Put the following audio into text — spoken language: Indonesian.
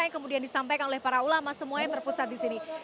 yang kemudian disampaikan oleh para ulama semuanya terpusat di sini